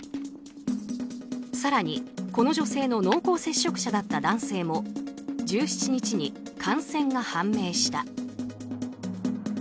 更に、この女性の濃厚接触者だった男性も１７日に感染が判明した。